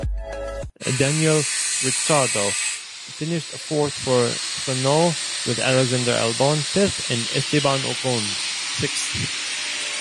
Daniel Ricciardo finished fourth for Renault with Alexander Albon fifth and Esteban Ocon sixth.